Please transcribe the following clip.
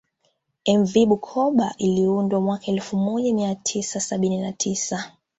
Mv Bukoba iliyoundwa mwaka elfu moja mia tisa sabini na tisa